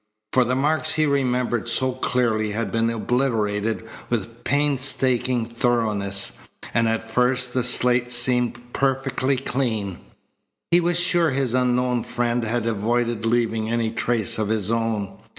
For the marks he remembered so clearly had been obliterated with painstaking thoroughness, and at first the slate seemed perfectly clean. He was sure his unknown friend had avoided leaving any trace of his own.